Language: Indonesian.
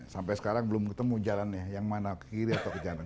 sampai sekarang belum ketemu jalannya yang mana ke kiri atau ke jalan